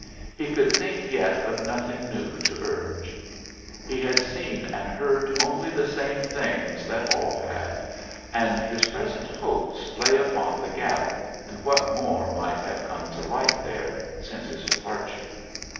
He could think yet of nothing new to urge. He had seen and heard only the same things that all had, and his present hopes lay upon the Gap and what more might have come to light there since his departure.